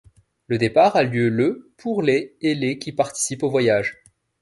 Le départ a lieu le pour les et les qui participent au voyage.